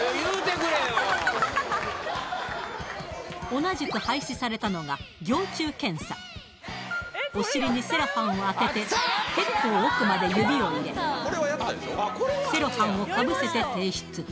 同じく廃止されたのがお尻にセロハンを当てて結構奥まで指を入れセロハンをかぶせて提出